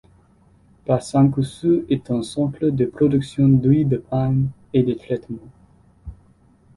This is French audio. Basankusu est un centre de production d'huile de palme et de traitement.